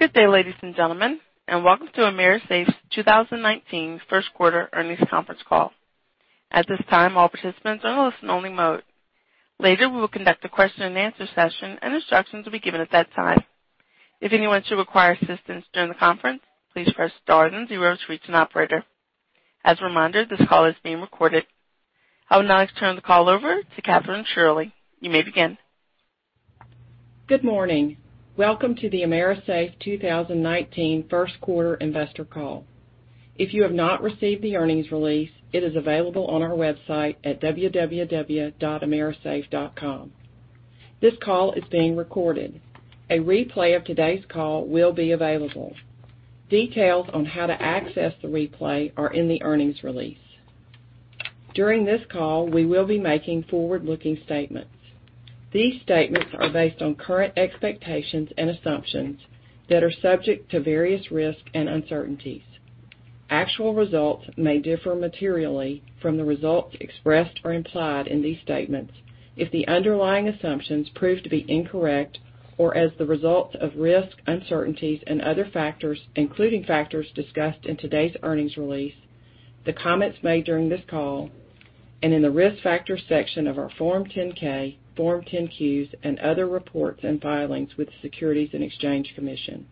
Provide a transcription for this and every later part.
Good day, ladies and gentlemen, welcome to AMERISAFE's 2019 first quarter earnings conference call. At this time, all participants are in listen only mode. Later, we will conduct a question and answer session and instructions will be given at that time. If anyone should require assistance during the conference, please press star then zero to reach an operator. As a reminder, this call is being recorded. I would now like to turn the call over to Kathryn Shirley. You may begin. Good morning. Welcome to the AMERISAFE 2019 first quarter investor call. If you have not received the earnings release, it is available on our website at www.amerisafe.com. This call is being recorded. A replay of today's call will be available. Details on how to access the replay are in the earnings release. During this call, we will be making forward-looking statements. These statements are based on current expectations and assumptions that are subject to various risks and uncertainties. Actual results may differ materially from the results expressed or implied in these statements if the underlying assumptions prove to be incorrect or as a result of risks, uncertainties and other factors, including factors discussed in today's earnings release, the comments made during this call, and in the Risk Factors section of our Form 10-K, Form 10-Qs, and other reports and filings with the Securities and Exchange Commission.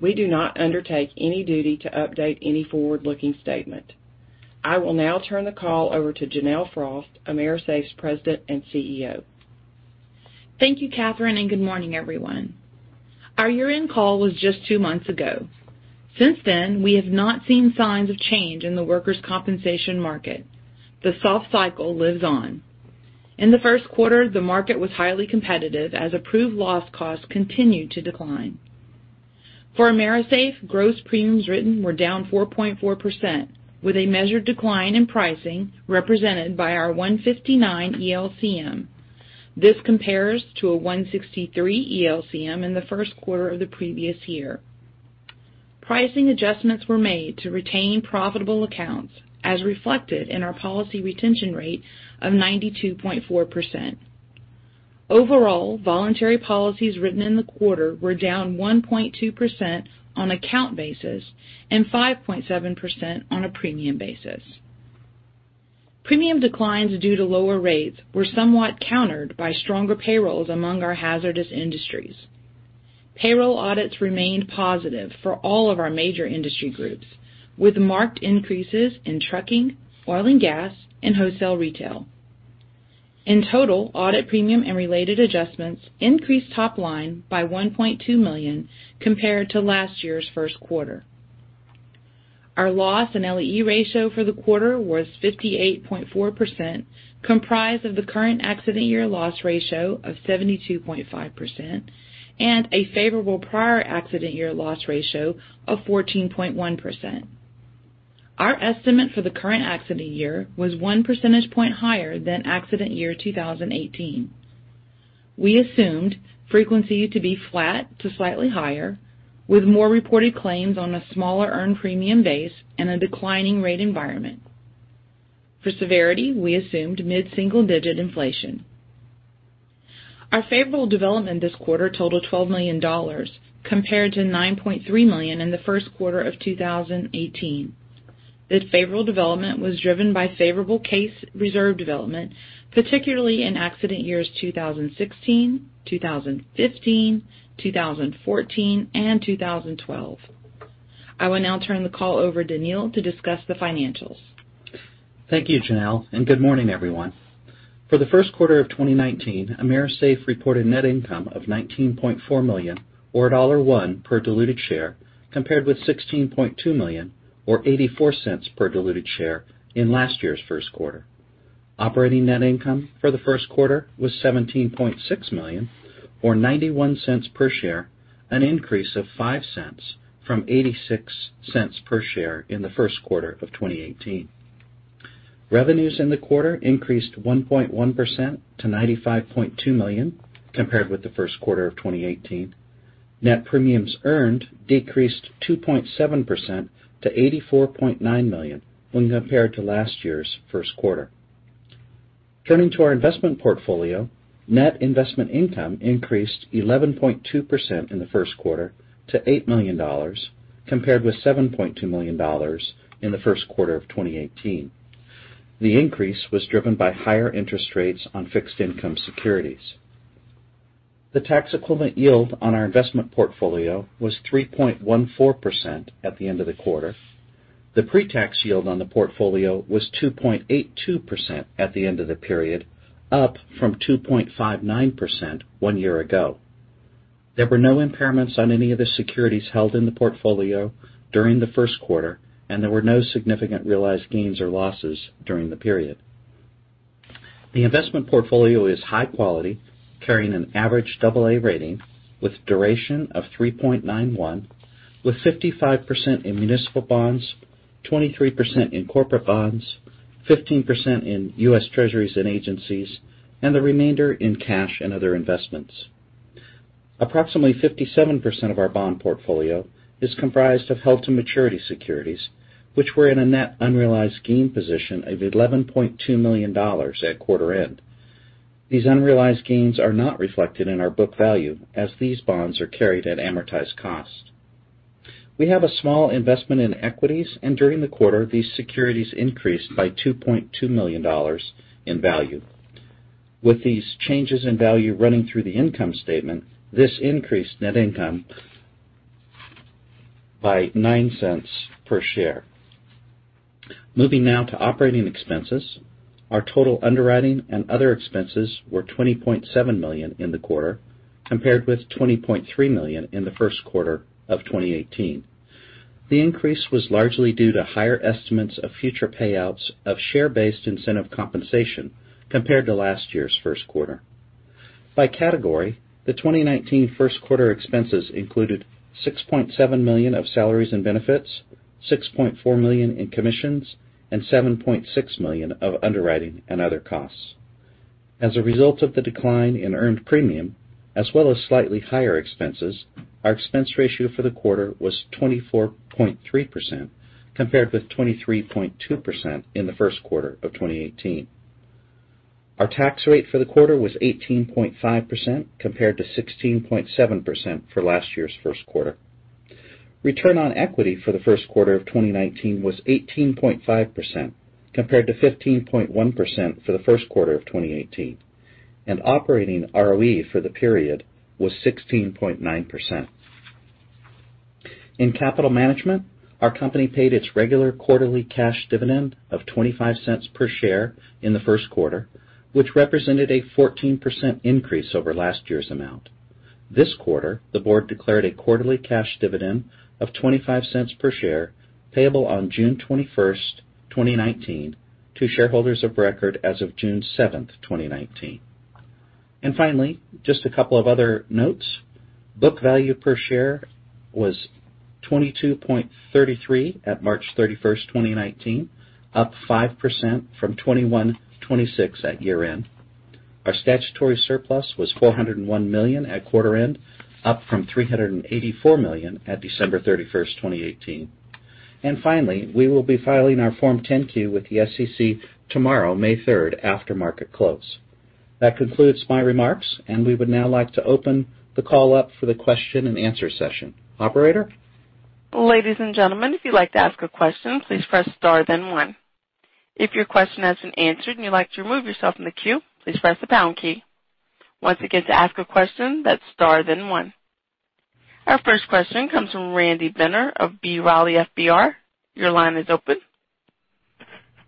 We do not undertake any duty to update any forward-looking statement. I will now turn the call over to Janelle Frost, AMERISAFE's President and CEO. Thank you, Kathryn, good morning, everyone. Our year-end call was just two months ago. Since then, we have not seen signs of change in the workers' compensation market. The soft cycle lives on. In the first quarter, the market was highly competitive as approved loss costs continued to decline. For AMERISAFE, gross premiums written were down 4.4%, with a measured decline in pricing represented by our 159 ELCM. This compares to a 163 ELCM in the first quarter of the previous year. Pricing adjustments were made to retain profitable accounts, as reflected in our policy retention rate of 92.4%. Overall, voluntary policies written in the quarter were down 1.2% on account basis and 5.7% on a premium basis. Premium declines due to lower rates were somewhat countered by stronger payrolls among our hazardous industries. Payroll audits remained positive for all of our major industry groups, with marked increases in trucking, oil and gas, and wholesale retail. In total, audit premium and related adjustments increased top line by $1.2 million compared to last year's first quarter. Our loss and LAE ratio for the quarter was 58.4%, comprised of the current accident year loss ratio of 72.5% and a favorable prior accident year loss ratio of 14.1%. Our estimate for the current accident year was one percentage point higher than accident year 2018. We assumed frequency to be flat to slightly higher, with more reported claims on a smaller earned premium base and a declining rate environment. For severity, we assumed mid-single digit inflation. Our favorable development this quarter totaled $12 million, compared to $9.3 million in the first quarter of 2018. This favorable development was driven by favorable case reserve development, particularly in accident years 2016, 2015, 2014, and 2012. I will now turn the call over to Neal to discuss the financials. Thank you, Janelle, and good morning, everyone. For the first quarter of 2019, AMERISAFE reported net income of $19.4 million, or $1 per diluted share, compared with $16.2 million or $0.84 per diluted share in last year's first quarter. Operating net income for the first quarter was $17.6 million or $0.91 per share, an increase of $0.05 from $0.86 per share in the first quarter of 2018. Revenues in the quarter increased 1.1% to $95.2 million compared with the first quarter of 2018. Net premiums earned decreased 2.7% to $84.9 million when compared to last year's first quarter. Turning to our investment portfolio, net investment income increased 11.2% in the first quarter to $8 million, compared with $7.2 million in the first quarter of 2018. The tax equivalent yield on our investment portfolio was 3.14% at the end of the quarter. The pre-tax yield on the portfolio was 2.82% at the end of the period, up from 2.59% one year ago. There were no impairments on any of the securities held in the portfolio during the first quarter, and there were no significant realized gains or losses during the period. The investment portfolio is high quality, carrying an average AA rating with duration of 3.91, with 55% in municipal bonds, 23% in corporate bonds, 15% in U.S. Treasuries and agencies, and the remainder in cash and other investments. Approximately 57% of our bond portfolio is comprised of held-to-maturity securities, which were in a net unrealized gain position of $11.2 million at quarter end. These unrealized gains are not reflected in our book value as these bonds are carried at amortized cost. We have a small investment in equities, during the quarter, these securities increased by $2.2 million in value. With these changes in value running through the income statement, this increased net income by $0.09 per share. Moving now to operating expenses. Our total underwriting and other expenses were $20.7 million in the quarter, compared with $20.3 million in the first quarter of 2018. The increase was largely due to higher estimates of future payouts of share-based incentive compensation compared to last year's first quarter. By category, the 2019 first quarter expenses included $6.7 million of salaries and benefits, $6.4 million in commissions, and $7.6 million of underwriting and other costs. As a result of the decline in earned premium, as well as slightly higher expenses, our expense ratio for the quarter was 24.3%, compared with 23.2% in the first quarter of 2018. Our tax rate for the quarter was 18.5%, compared to 16.7% for last year's first quarter. Return on equity for the first quarter of 2019 was 18.5%, compared to 15.1% for the first quarter of 2018. Operating ROE for the period was 16.9%. In capital management, our company paid its regular quarterly cash dividend of $0.25 per share in the first quarter, which represented a 14% increase over last year's amount. This quarter, the board declared a quarterly cash dividend of $0.25 per share, payable on June 21st, 2019, to shareholders of record as of June 7th, 2019. Finally, just a couple of other notes. Book value per share was $22.33 at March 31st, 2019, up 5% from $21.26 at year-end. Our statutory surplus was $401 million at quarter end, up from $384 million at December 31st, 2018. Finally, we will be filing our Form 10-Q with the SEC tomorrow, May 3rd, after market close. That concludes my remarks, and we would now like to open the call up for the question and answer session. Operator? Ladies and gentlemen, if you'd like to ask a question, please press star then one. If your question has been answered and you'd like to remove yourself from the queue, please press the pound key. Once again, to ask a question, that's star then one. Our first question comes from Randy Binner of B. Riley FBR. Your line is open.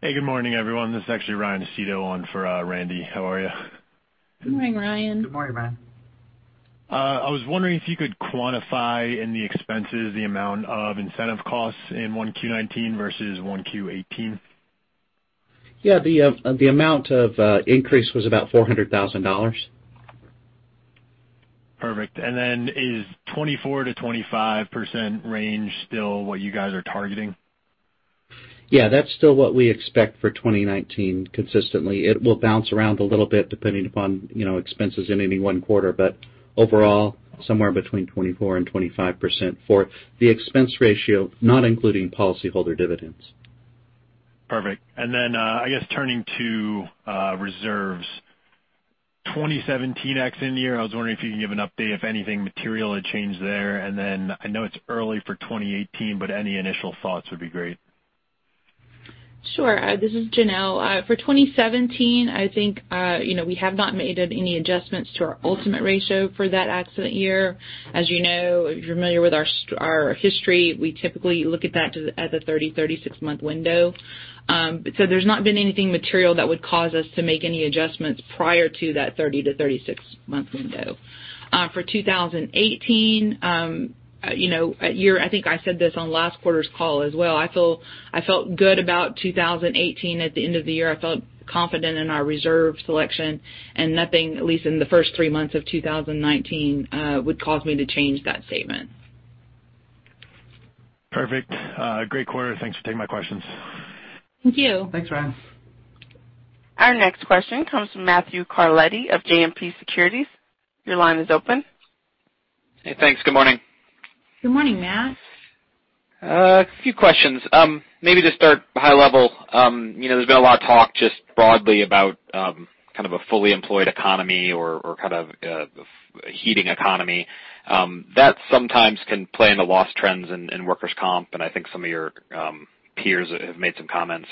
Hey, good morning, everyone. This is actually Ryan Aceto on for Randy. How are you? Good morning, Ryan. Good morning, Ryan. I was wondering if you could quantify in the expenses the amount of incentive costs in 1Q19 versus 1Q18. Yeah. The amount of increase was about $400,000. Perfect. Is 24%-25% range still what you guys are targeting? Yeah, that's still what we expect for 2019 consistently. It will bounce around a little bit depending upon expenses in any one quarter, but overall, somewhere between 24% and 25% for the expense ratio, not including policyholder dividends. Perfect. I guess, turning to reserves. 2017 accident year, I was wondering if you can give an update if anything material had changed there. I know it's early for 2018, but any initial thoughts would be great. Sure. This is Janelle. For 2017, I think we have not made any adjustments to our ultimate ratio for that accident year. As you know, if you're familiar with our history, we typically look at that as a 30, 36-month window. There's not been anything material that would cause us to make any adjustments prior to that 30 to 36 month window. For 2018, I think I said this on last quarter's call as well. I felt good about 2018 at the end of the year. I felt confident in our reserve selection, and nothing, at least in the first three months of 2019, would cause me to change that statement. Perfect. Great quarter. Thanks for taking my questions. Thank you. Thanks, Ryan. Our next question comes from Matthew Carletti of JMP Securities. Your line is open. Hey, thanks. Good morning. Good morning, Matt. A few questions. Maybe to start high level. There's been a lot of talk just broadly about kind of a fully employed economy or kind of a heating economy. That sometimes can play in the loss trends in workers' comp, and I think some of your peers have made some comments.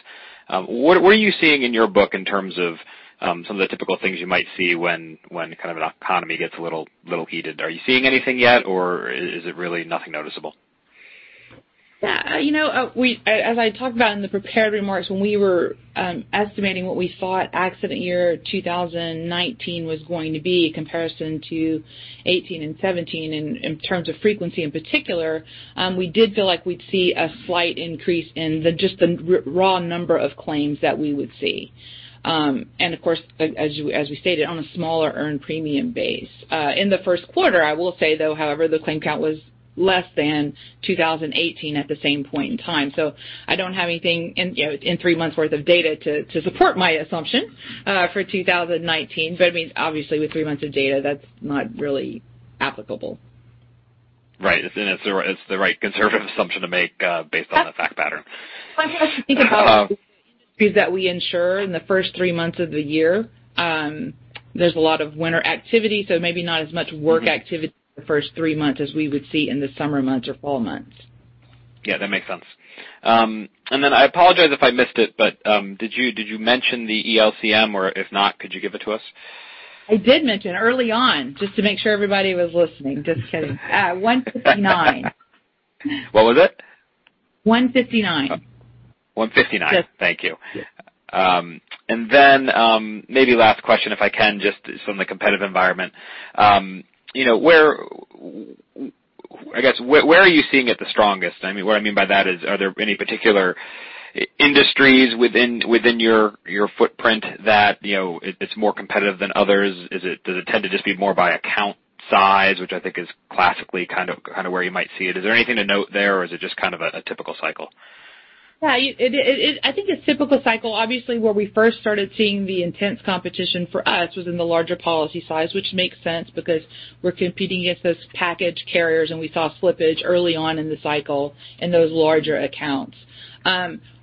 What are you seeing in your book in terms of some of the typical things you might see when kind of an economy gets a little heated? Are you seeing anything yet, or is it really nothing noticeable? As I talked about in the prepared remarks, when we were estimating what we thought accident year 2019 was going to be comparison to 2018 and 2017 in terms of frequency in particular, we did feel like we'd see a slight increase in just the raw number of claims that we would see. Of course, as we stated, on a smaller earned premium base. In the first quarter, I will say, though, however, the claim count was less than 2018 at the same point in time. I don't have anything in three months worth of data to support my assumption for 2019. Obviously with three months of data, that's not really applicable. Right. It's the right conservative assumption to make based on the fact pattern. One thing I think about is that we ensure in the first three months of the year, there's a lot of winter activity, so maybe not as much work activity the first three months as we would see in the summer months or fall months. Yeah, that makes sense. I apologize if I missed it, did you mention the ELCM or if not, could you give it to us? I did mention early on just to make sure everybody was listening. Just kidding. 159. What was it? 159. 159. Thank you. Then, maybe last question, if I can, just from the competitive environment. Where are you seeing it the strongest? What I mean by that is, are there any particular industries within your footprint that it's more competitive than others? Does it tend to just be more by account size, which I think is classically where you might see it? Is there anything to note there, or is it just a typical cycle? Yeah, I think it's typical cycle. Obviously, where we first started seeing the intense competition for us was in the larger policy size, which makes sense because we're competing against those package carriers, and we saw slippage early on in the cycle in those larger accounts.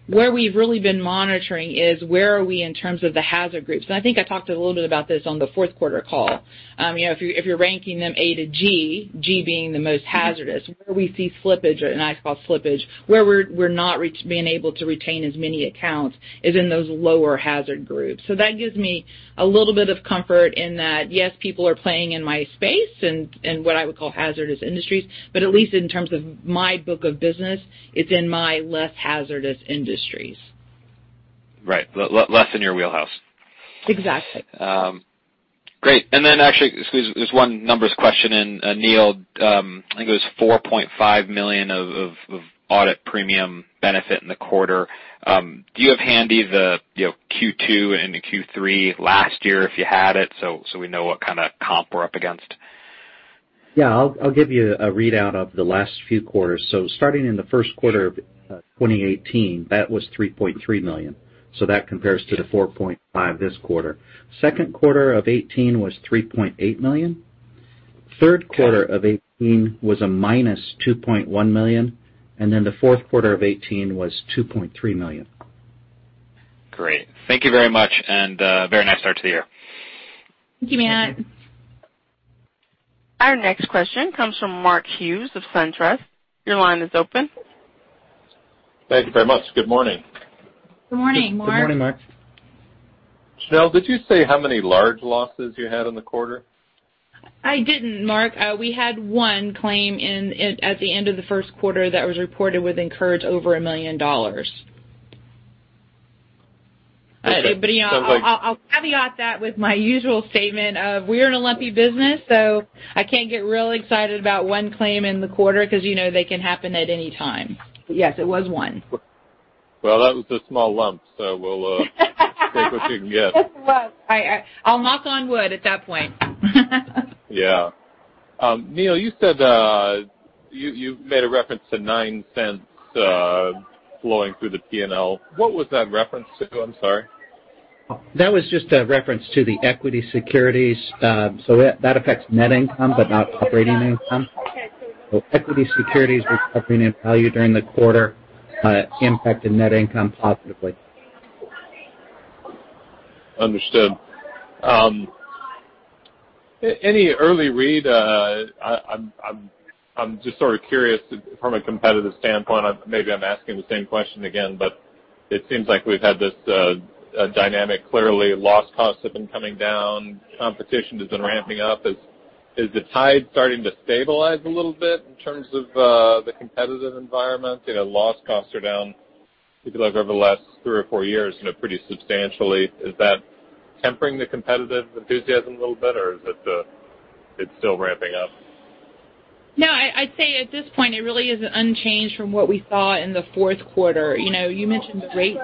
Where we've really been monitoring is where are we in terms of the hazard groups. I think I talked a little bit about this on the fourth quarter call. If you're ranking them A to G being the most hazardous, where we see slippage or I call slippage where we're not being able to retain as many accounts is in those lower hazard groups. That gives me a little bit of comfort in that, yes, people are playing in my space in what I would call hazardous industries, but at least in terms of my book of business, it's in my less hazardous industries. Right. Less in your wheelhouse. Exactly. Great. Actually, excuse, there's one numbers question in Neal. I think it was $4.5 million of audit premium benefit in the quarter. Do you have handy the Q2 and the Q3 last year, if you had it, so we know what kind of comp we're up against? I'll give you a readout of the last few quarters. Starting in the first quarter of 2018, that was $3.3 million. That compares to the $4.5 this quarter. Second quarter of 2018 was $3.8 million. Third quarter of 2018 was a minus $2.1 million, the fourth quarter of 2018 was $2.3 million. Great. Thank you very much. Very nice start to the year. Thank you, Matt. Our next question comes from Mark Hughes of SunTrust. Your line is open. Thank you very much. Good morning. Good morning, Mark. Good morning, Mark. Janelle, did you say how many large losses you had in the quarter? I didn't, Mark. We had one claim at the end of the first quarter that was reported with incurred over $1 million. Okay. Sounds like- I'll caveat that with my usual statement of we're in a lumpy business, so I can't get real excited about one claim in the quarter because you know they can happen at any time. Yes, it was one. Well, that was a small lump, so we'll take what we can get. It was. I'll knock on wood at that point. Yeah. Neal, you made a reference to $0.09 flowing through the P&L. What was that reference to? I'm sorry. That was just a reference to the equity securities. That affects net income but not operating income. Equity securities recovering in value during the quarter impacted net income positively. Understood. Any early read, I'm just sort of curious from a competitive standpoint, maybe I'm asking the same question again, but it seems like we've had this dynamic. Clearly, loss costs have been coming down, competition has been ramping up. Is the tide starting to stabilize a little bit in terms of the competitive environment? Loss costs are down, if you look over the last three or four years, pretty substantially. Is that tempering the competitive enthusiasm a little bit, or is it still ramping up? No, I'd say at this point, it really is unchanged from what we saw in the fourth quarter. You mentioned the rate.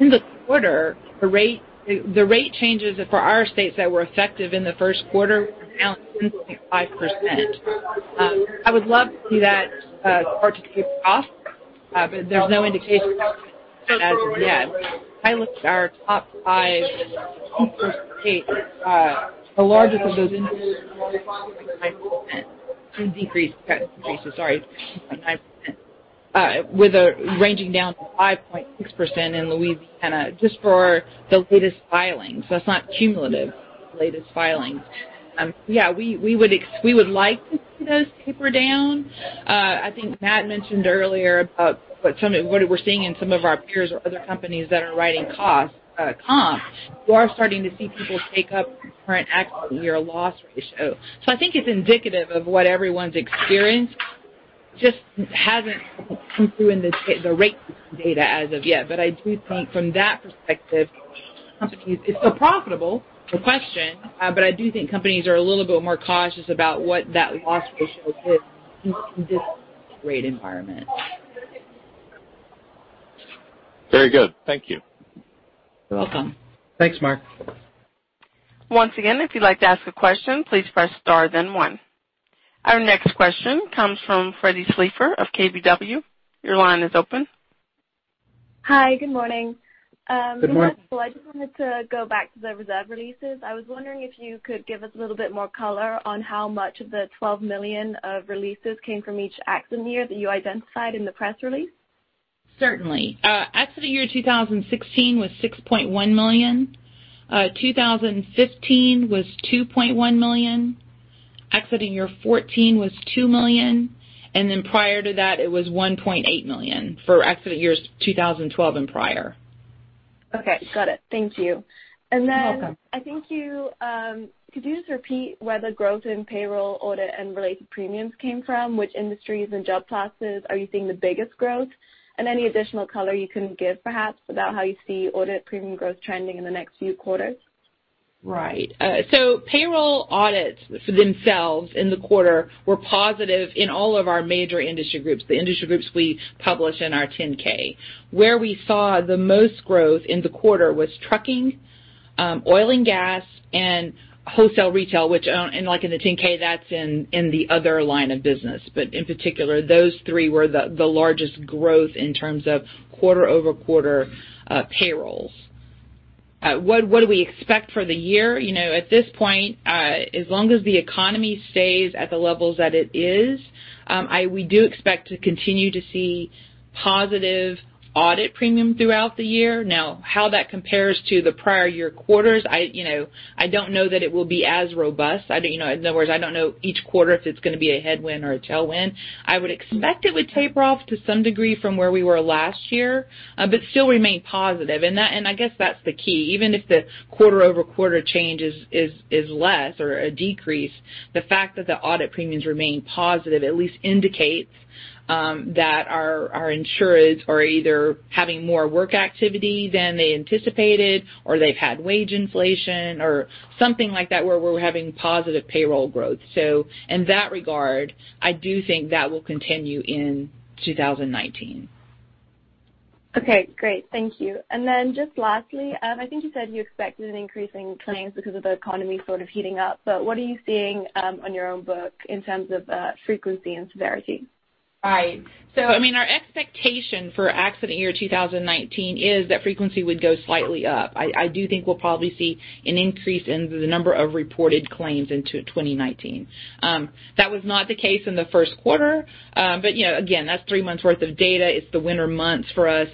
In the quarter, the rate changes for our states that were effective in the first quarter accounted for 0.5%. I would love to see that start to tick off, there's no indication as of yet. I looked at our top five states. The largest of those increased 0.5%. To decrease, sorry, 0.5%, with a ranging down to 5.6% in Louisiana, just for the latest filings. That's not cumulative, latest filings. Yeah, we would like to see those taper down. I think Matt mentioned earlier about what we're seeing in some of our peers or other companies that are writing comps, you are starting to see people take up current accident year loss ratio. I think it's indicative of what everyone's experienced, just hasn't come through in the rate data as of yet. I do think from that perspective, companies, it's still profitable, no question, but I do think companies are a little bit more cautious about what that loss ratio is in this rate environment. Very good. Thank you. You're welcome. Thanks, Mark. Once again, if you'd like to ask a question, please press star then one. Our next question comes from Freddie Sleiffer of KBW. Your line is open. Hi, good morning. Good morning. I just wanted to go back to the reserve releases. I was wondering if you could give us a little bit more color on how much of the $12 million of releases came from each accident year that you identified in the press release. Certainly. Accident year 2016 was $6.1 million. 2015 was $2.1 million. Accident year 2014 was $2 million, prior to that, it was $1.8 million for accident years 2012 and prior. Okay, got it. Thank you. You're welcome. I think you, could you just repeat where the growth in payroll audit and related premiums came from, which industries and job classes are you seeing the biggest growth? Any additional color you can give perhaps about how you see audit premium growth trending in the next few quarters? Right. Payroll audits themselves in the quarter were positive in all of our major industry groups, the industry groups we publish in our 10-K. Where we saw the most growth in the quarter was trucking, oil and gas, and wholesale retail, which, in the 10-K, that's in the other line of business. In particular, those three were the largest growth in terms of quarter-over-quarter payrolls. What do we expect for the year? At this point, as long as the economy stays at the levels that it is, we do expect to continue to see positive audit premium throughout the year. How that compares to the prior year quarters, I don't know that it will be as robust. In other words, I don't know each quarter if it's going to be a headwind or a tailwind. I would expect it would taper off to some degree from where we were last year, but still remain positive. I guess that's the key. Even if the quarter-over-quarter change is less or a decrease, the fact that the audit premiums remain positive at least indicates that our insurers are either having more work activity than they anticipated, or they've had wage inflation or something like that where we're having positive payroll growth. In that regard, I do think that will continue in 2019. Okay, great. Thank you. Just lastly, I think you said you expected an increase in claims because of the economy sort of heating up, but what are you seeing on your own book in terms of frequency and severity? Right. Our expectation for accident year 2019 is that frequency would go slightly up. I do think we'll probably see an increase in the number of reported claims into 2019. That was not the case in the first quarter. Again, that's three months worth of data. It's the winter months for us.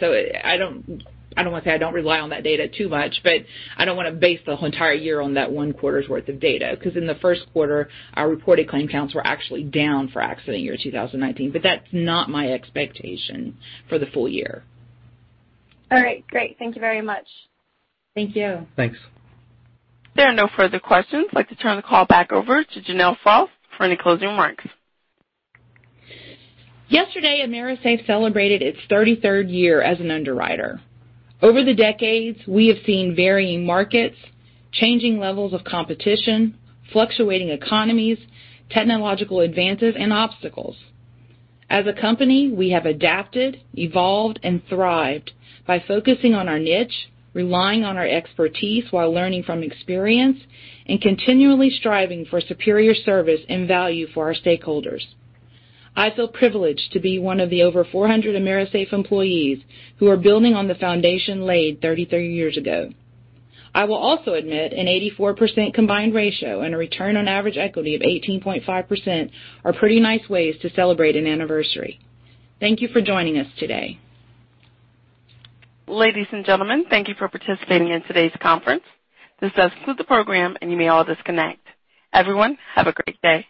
I don't want to say I don't rely on that data too much, but I don't want to base the whole entire year on that one quarter's worth of data, because in the first quarter, our reported claim counts were actually down for accident year 2019. That's not my expectation for the full year. All right, great. Thank you very much. Thank you. Thanks. There are no further questions. I'd like to turn the call back over to Janelle Frost for any closing remarks. Yesterday, AMERISAFE celebrated its 33rd year as an underwriter. Over the decades, we have seen varying markets, changing levels of competition, fluctuating economies, technological advances, and obstacles. As a company, we have adapted, evolved, and thrived by focusing on our niche, relying on our expertise while learning from experience, and continually striving for superior service and value for our stakeholders. I feel privileged to be one of the over 400 AMERISAFE employees who are building on the foundation laid 33 years ago. I will also admit an 84% combined ratio and a return on average equity of 18.5% are pretty nice ways to celebrate an anniversary. Thank you for joining us today. Ladies and gentlemen, thank you for participating in today's conference. This does conclude the program, and you may all disconnect. Everyone, have a great day.